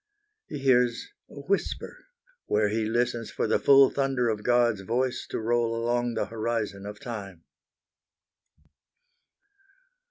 He hears a whisper where he listens for the full thunder of God's voice to roll along the horizon of time.